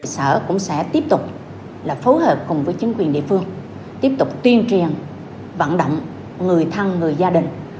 sở cũng sẽ tiếp tục phối hợp cùng với chính quyền địa phương tiếp tục tuyên truyền vận động người thân người gia đình